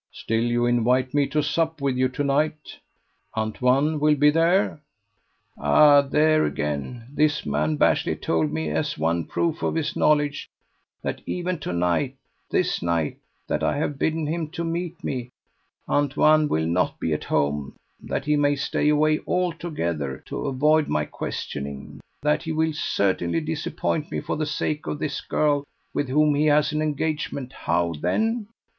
"Still, you invite me to sup with you to night. Antoine will be there?" "Ah! there again. This man Bashley told me, as one proof of his knowledge, that even to night this night that I have bidden him to meet me Antoine will not be at home; that he may stay away altogether to avoid my questioning; that he will certainly disappoint me for the sake of this girl with whom he has an engagement. How then?"